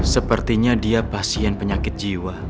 sepertinya dia pasien penyakit jiwa